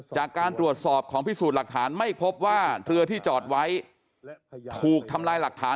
จากการตรวจสอบของพิสูจน์หลักฐานไม่พบว่าเรือที่จอดไว้ถูกทำลายหลักฐาน